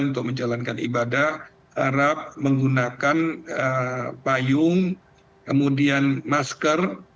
untuk menjalankan ibadah arab menggunakan payung kemudian masker